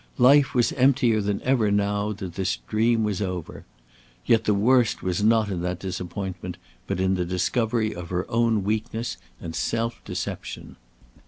Life was emptier than ever now that this dream was over. Yet the worst was not in that disappointment, but in the discovery of her own weakness and self deception.